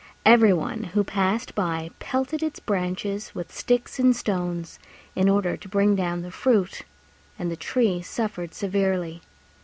Every one who passed by pelted its branches with sticks and stones, in order to bring down the fruit, and the tree suffered severely.